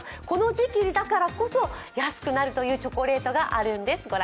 この時期だからこそ安くなるというチョコレートがあるんです。